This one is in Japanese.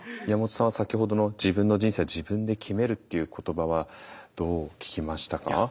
宮本さんは先ほどの「自分の人生は自分で決める」っていう言葉はどう聞きましたか？